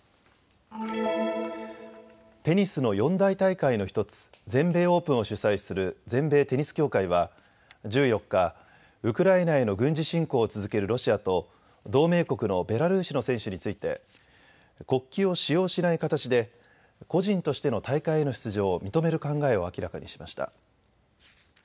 テニスの四大大会の１つ全米オープンを主催する全米テニス協会は１４日、ウクライナへの軍事侵攻を続けるロシアと同盟国のベラルーシの選手について、国旗を使用しない形で個人としての大会への出場を認める考えを明らかにしました。